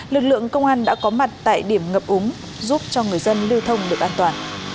lực lượng công an đã có mặt tại điểm ngập úng giúp cho người dân lưu thông được an toàn